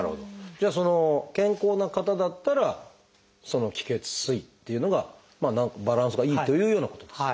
じゃあ健康な方だったらその「気・血・水」っていうのがバランスがいいというようなことですか？